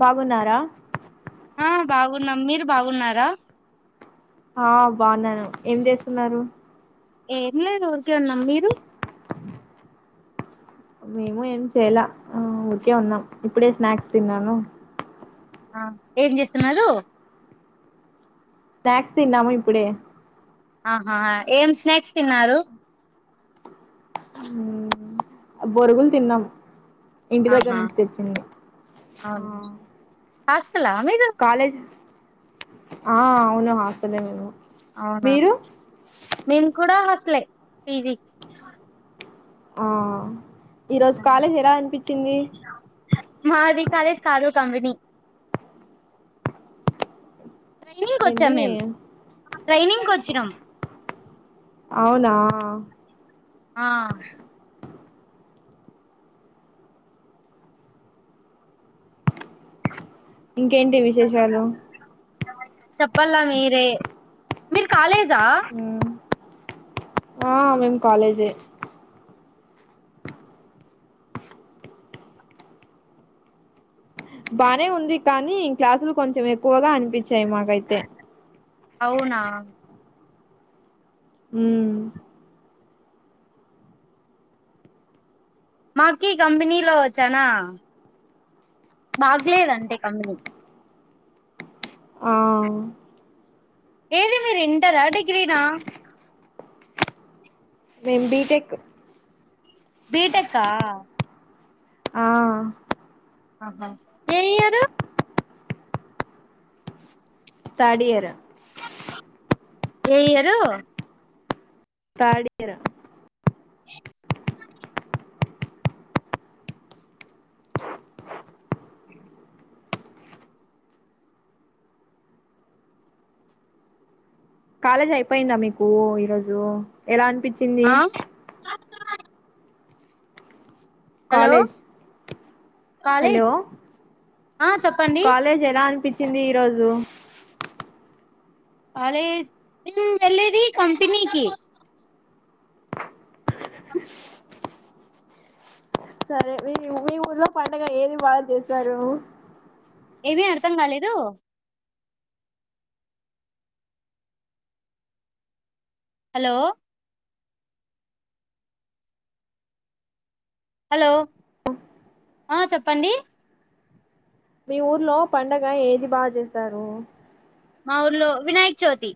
బాగున్నారా ఆ బాగున్నాం మీరు బాగున్నారా ఆ బాగున్నాను ఏం చేస్తున్నారు ఏం లేదు ఊరికే ఉన్నాం మీరు మేము ఏం చేయల ఊరికే ఉన్నాం ఇప్పుడే స్నాక్స్ తిన్నాను ఆ ఏం చేస్తున్నారు స్నాక్ తిన్నాము ఇప్పుడే ఆహా ఏం స్నాక్స్ తిన్నారు మ్మ్. బొరుగులు తిన్నాం ఇంటి దగ్గర ఆహా నుంచి తెచ్చింది ఆ హాస్టల్ ఆ మీరు కాలేజ్ ఆ అవును హస్టలే మేము అవునా మీరు మేము కూడా హాస్టలే పీజీ ఆ ఈరోజు కాలేజ్ ఎలా అనిపిచింది మాది కాలేజ్ కాదు కంపెనీ ట్రైనింగ్కి వచ్చాం ఏంది మేము ట్రైనింగ్కి వచ్చినాం అవునా ఆ ఇంకేంటి విశేషాలు చెప్పాల మీరే మీరు కాలేజా మ్మ్. ఆ మేము కాలేజే బానే ఉంది కానీ క్లాసులు కొంచెం ఎక్కువగా అనిపిచాయి మాకైతే అవునా ఉం మాకీ కంపెనీలో చాన బాగ్ లేదంటే కంపెనీ ఆ ఏది మీరు ఇంటర డిగ్రీనా మేం బిటెక్ బీటక్ ఆ ఆ ఏ ఇయరు థర్డ్ ఇయరు ఏ ఇయరు థర్డ్ ఇయరు కాలేజ్ అయిపోయిందా మీకు ఈరోజు ఎలా అనిపిచింది ఆ హలో కాలేజ్ హలో కాలేజ్ ఆ చెప్పండి కాలేజ్ ఎలా అనిపిచింది ఈరోజు కాలేజ్ నేను వెళ్ళేది కంపేనీకి సరే మీ మీ ఊర్లో పండుగ ఏది బాగా చేస్తారు ఏమీ అర్ధం కాలేదు హలో హలో ఆ చెప్పండి మీ ఊర్లో పండగ ఏది బాగ చేస్తారు మా ఊర్లో వినాయక్ చవితి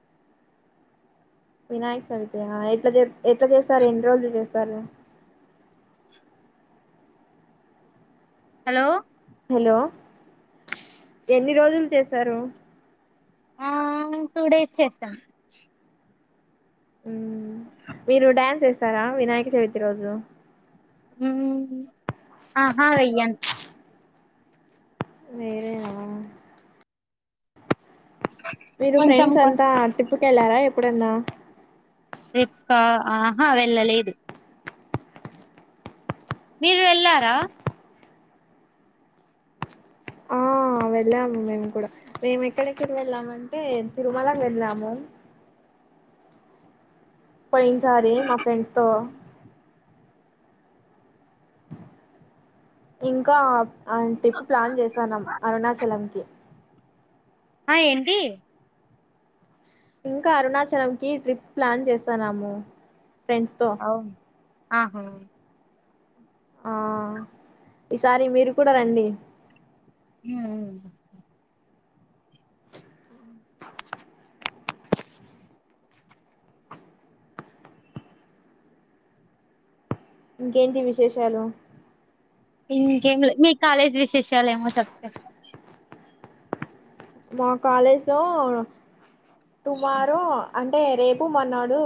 వినాయక్ చవితా ఎట్లా చేస్తారు ఎన్ని రోజులు చేస్తారు హలో హలో ఎన్ని రోజులు చేశారు ఆ టూ డేస్ చేస్తాం ఉం మీరు డ్యాన్స్ వేస్తారా వినాయక చవితి రోజు ఉం ఆహా వెయ్యను వెయ్యరేమో మీరు కొంచెం ఫ్రెండ్స్ కొ- అంతా ట్రిప్కి వెళ్ళారా ఎప్పుడన్నా ర్రిప్కా ఆహా వెళ్ళలేదు మీరు వెళ్ళారా ఆ వెళ్ళాము మేము కూడా మేము ఎక్కడెక్కకి వెళ్ళామంటే తిరుమలకి వెళ్ళాము పైన్ స రే మా ఫ్రెండ్స్ త ఇంకా ట్రిప్ ప్లాన్ చేసానుం అరుణాచలం క ఆ ఏంటి ఇంకా అరుణాచలం కి ట్రిప్ ప్లాన్ చేస్తాన్నాము ఫ్రెండ్స్ తో ఆహో ఆ ఈసారి మీరు కూడా రండి ఆ ఇంకేంటి విశేషాలు ఇంకేం మీ కాలేజ్ విశేషాలు ఏమో చెప్తారు మా కాలేజ్ లో టుమారో అంట అంటే రేపు మనాడు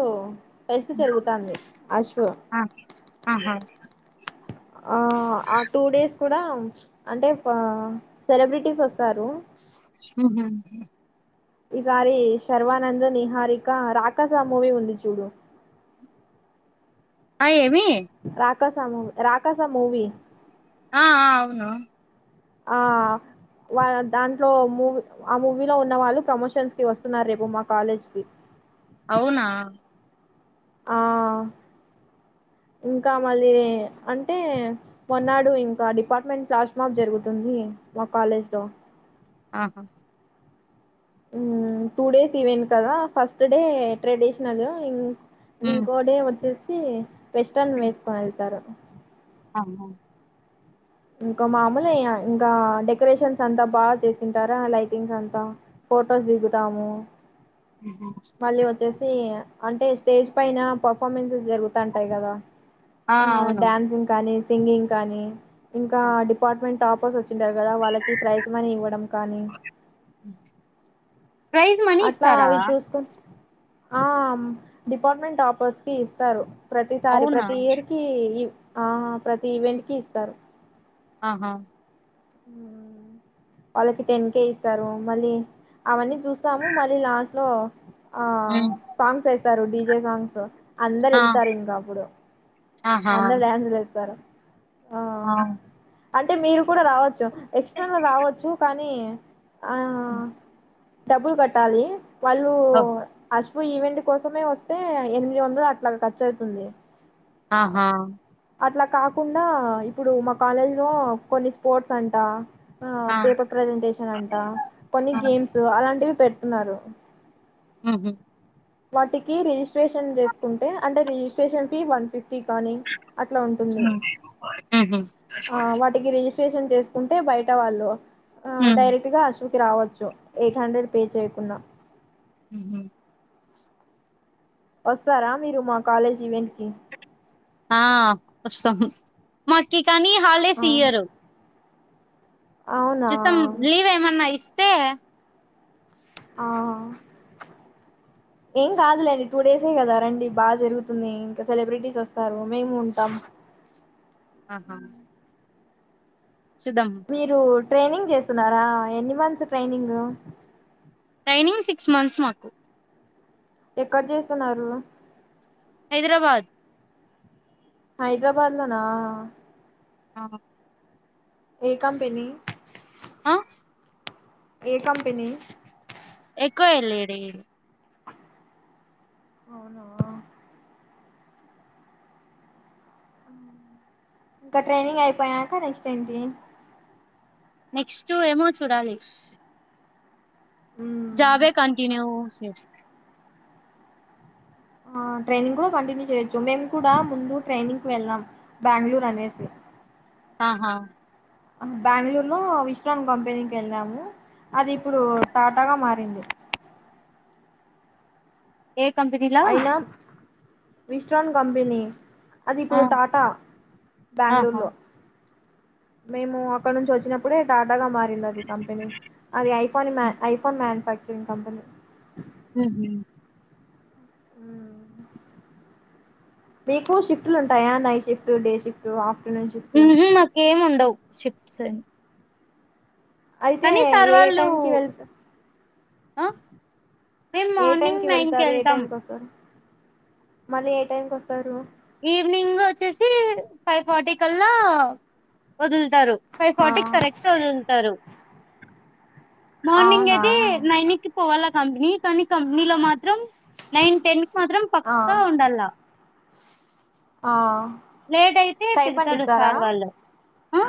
పెస్ట్ జరుగుతుంది అశో ఆ ఆహా ఆ ఆ టూ డేస్ కూడా అంటే సెలబ్రిటీస్ వస్తారు హ ఈసారి శర్వానంద్ నిహారిక రాకస మూవీ ఉంది చూడు అ ఏమి రాకాస మూ రాకాస మూవిీ ఆ అవును ఆ వా దాంట్లో మూవీ ఆ మూవీలో ఉన్న వాళ్ళు ప్రమోషన్స్ కి వస్తున్నారు రేపు మా కాలేజ్ కి అవునా ఆ ఇంకా మళ్ళీ అంటే మన్నాడు ఇంకా డిపార్ట్మెంట్ ప్లాస్ మార్క్ జరుగుతుంది మా కాాలేజ్లో ఆహా టూ డేస్ ఇవెన్ కదా ఫస్ట్ డే ట్రెడిషనల్ ఉమ్ ఇంకోడే వచ్చేసి పెస్న్ వేసుకని వెళ్తారు అ ఇంకా మామూలుయ్య ఇంకా డెకరేషన్స్ అంతా బాగా చేసిింటారా లైటింగ్స్ అంతా ఫోటోస్ దకుతాము ఉహు మళ్ళీ వచ్చేసి అంటే స్టేజ్ పైన పర్ఫార్మెన్సెస్ జరుగుతంటాయి కదా ఆ డ్యాన్సింగ్ కానీ సింగింగ్ కానీ ఇంకా ఆ. డిపార్ట్మెంట్ టాపర్స్ వచ్చ చ్చారు కదా వాళ్ళకి ప్రైజ అని ఇవ్వడం కానీ ఆ అట్లా అవి చూసుకు ఆ డిపార్ట్మెంట్ టాపర్స్ కి ఇస్తారు ప్రతిసారి అవునా ప్రతి ఇయర్ కి ఈ ఆ ప్రతి ఈవెంట్ కి ఇస్తారు ఆహా ఉ వాళ్ళకి టెన్ కేే ఇస్తారు మళ్ళీ అవన్నీ చూస్తాము మళ్ళీ లాస్ట్ లో ఆ ఉమ్ సాంగ్స్ వేస్తారు డడిజే సాంగ్స్ అందరు ఆ ఎగుతారు ఇంకా అప్పుడు ఆహా అందా ్యాంజ వసారు ఆ అంటే మీరు కూడా రావచ్చు ఎక్స్ట్రాలో రావచ్చు కానీ ఉ డబ్బులు కట్టాలి వాళ్ళు ఓ అ ఈవెంట్ కోసమే వస్తే ఎనిమిది వందలు అట్లా ఖర్చవుతుంది ఆహా అట్లా కాకుండా ఇప్పుడు మా కాలేజ్ లో కొన్ని స్పోర్ట్స్ అంట ఆ పేపర్ ప్రజెంటేషన్ అంట కొన్ని ఆ గేమ్స్ అలాంటివి పెడుతున్నారు ఆహ వాటికి రిజిస్ట్రేషన్ చేసుకుంటే అంటే రిజిస్ట్రేషన్ ఫీ వన్ ఫిఫ్టీ అని అట్లా ఉంటుంది ఉమ్, ఉహు వాటికి రిజి స్ట్రేషన్ చేసుకుంటే బయట వాళ్ళు ఉమ్ డైరెక్ట్ గా కి రావచ్చు ఎయిట్ హండ్రెడ్ పే చేయకున్నా ఉమ్ హు వస్తారా మీరు మా కాలేజ్ ఈవెంట్ కి ఆ వస్తాం మాకి కానీ ఆ, హాలిడేస్ ఇయ్యరు అవునా చూస్తం లీవ్ ఏమన్న ఇస్తే ఆ ఏం కాదులేండి టూ డేసే కదా రండి బాగా జరుగుతుంది ఇంకా సెలబ్బ్రెటీస్ వస్తారు మేము ఉంటాం ఆహా చూద్దాం మీరు ట్రైనింగ్ చేస్తున్నారా ఎన్ని months training training six months మాకు ఎక్కడ చేస్తున్నారు హైదరాబాద్ హైదరాబాద్ లోనా ఆ ఏ కంపెనీ ఆ ఏ కంపెనీ కో ఎల్ ఇ డి అవునా ఇంకా ట్రైనింగ్ అయిపోయాక నెక్స్ట్ ఏంటి నెక్స్ట్ ఏమో చూడాలి మ్మ్. జాబే కంటిన్యూ చేస్తా ఆ ట్రైనింగ్ కూడా కంటిన్యూ చేయొచ్చు మేము కూడా ముందు ట్రైనింగ్కి వెళ్ళాం బెంగళూరు అనేసి ఆహా బెంగళూరులో విశ్రాన్ కంపెనీకి వెళ్ళాము అది ఇప్పుడు టాటాగా మారింది ఏ కంపెనీలా విశ్రాన్ కంపెనీ ఆ అదిప్పుడు టాటా ఆహా బెంగళూరులో మేము అక్కడ నుంచి వచ్చినప్పుడే టాటాగా మారి కంపెనీ అది ఐఫోన్ మాన్యుఫాక్చరింగ్ కంపెనీ ఉహు ఆ మీకు షిఫ్ట్లు ఉంటాయా night shift day shift afternoon shift ఉహు మాకేమి ఉండవు షిఫ్ట్స్ అని అయితే ఏ వాళ్ళు టైమ్ కి వెళ్తవ్ ఆ మేము ఏ టైం మార్నింగ్ కి నైన్ వెళ్తారు ఏ వెళ్తాం టైంకి వస్తారు మళ్ళీ ఏ టైంకి వస్తారు ఈవినింగ్ వచ్చేసి ఫైవ్ ఫర్టీ కల్లా వదులు తారు ఫైవ్ ఆ, ఫార్టీకి కరెక్ట్ పదులుతారు మార్నింగ్ అవునా అయితే నైనికి పోవాల కంపెనీ కానీ కంపెనీలో మా త్రం నైన్ టెన్ కి మాత్రం పక్కా ఉండాల ఆ లేటయితే తిరుతాడు సార్ వాళ్ళు ఆ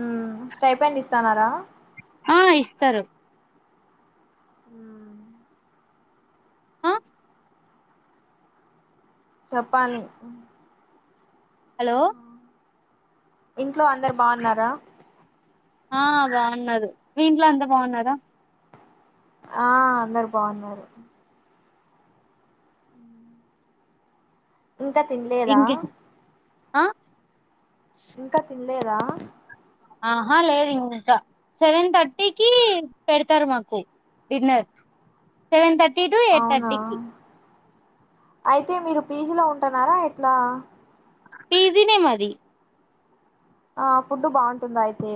మ్మ్ స్టైఫాండ్ ఇస్తన్నారా ఆ ఇస్తారు ఆ ఆ చెప్పాలి హలో ఇంట్లో అందరు బాగున్నారా ఆ బాగున్నారు మీ ఇంట్లో అంతా బాగున్నారా ఆ అందరు బాగున్నారు ఇంకా తినలేదా ఇంకే ఆ ఇంకా తినలేదా ఆహ లేదు ఇంకా సెవెన్ థర్టీకి పెడతారు మాకు dinner seven thirty to eight అవునా థర్టీ కి అయితే మీరు పీజీలో ఉంటన్నారా ఎట్లా పీజినే మాది ఆ ఫుడ్ బాగుంటుందా అయితే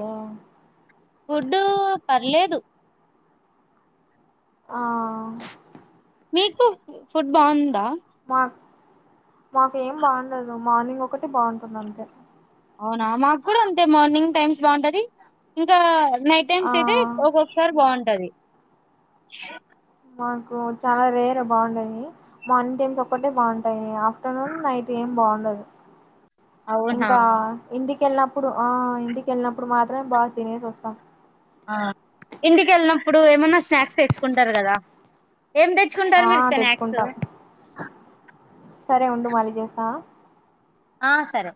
ఫుడ్డు పర్లేదు ఆ మీకు ఫుడ్ బాగుందా మా మాకు ఏం బాగుండదు మార్నింగ్ ఒకటి బాగుంటుంది అంతే అవునా మాకు కూడా అంతే మార్నింగ్ టైమ్స్ బాగుంటది ఇక్కడ నైట్ ఆ టైమ్స్ అయితే ఒక్కొక్కసారి బాగుంటది మాకు చాలా రేర్ బాగుంటయి మార్నింగ్ ఒక్కటే బాగుంటాయి ఆఫ్టర్నూన్, నైట్ ఏం బాగుండదు అవునా ఇంకా ఇంటికి ళ్ళినప్పుడు ఆ ఇంటికెళ్ళినప్పుడు మాత్రమే బాగా తినేసి వస్తాం ఆ ఇంటికెళ్ళినప్పుడు ఏమన్నా స్నాక్స్ తెచ్చుకుంటారు కదా ఏం తెచ్చుకుంటారు ఆ మీరు స్నాక్స్ తెచ్చుకుంటాం సరే ఉండు మళ్ళీ చేస్తా ఆ సరే